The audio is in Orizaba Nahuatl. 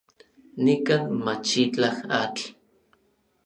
Nikan machitlaj atl.